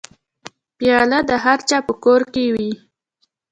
پیاله د هرچا په کور کې وي.